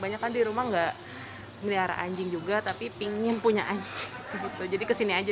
banyak kan di rumah enggak melihara anjing juga tapi pingin punya anjing gitu jadi kesini aja